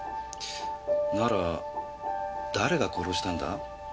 なら誰が殺したんだ？